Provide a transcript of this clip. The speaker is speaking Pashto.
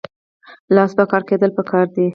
لاس په کار کیدل پکار دي